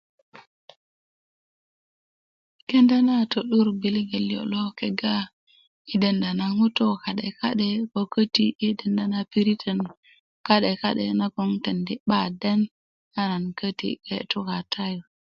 Kenda na a to'dur gbiliŋet liyo' lo kega i denda na ŋutu ka'de ka'de 'boŋ käti i denda na piritön ka'de ka'de' nagoŋ 'n tendi 'ba den a nan köti kee tu katayu